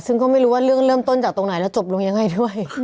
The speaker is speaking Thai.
ซึ่งก็ไม่รู้ว่าเรื่องเริ่มต้นจากตรงไหนแล้วจบลงยังไงด้วย